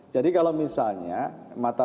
jadi kalau misalnya mata